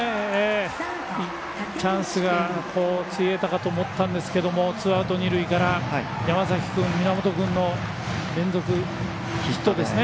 チャンスが潰えたかと思ったんですがツーアウト、二塁から山崎君源君の連続ヒットですね。